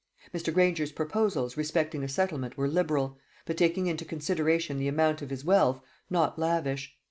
Mr. Granger's proposals respecting a settlement were liberal, but, taking into consideration the amount of his wealth, not lavish.